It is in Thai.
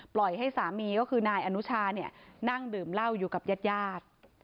ปล่อยให้สามีก็คือนายอนุชานั่งดื่มเหล้าอยู่กับญาติยาด